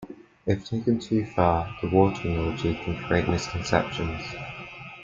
If taken too far, the water analogy can create misconceptions.